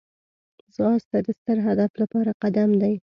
ځغاسته د ستر هدف لپاره قدم دی